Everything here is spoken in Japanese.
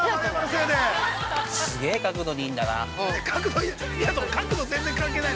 すげえ角度にいるんだな。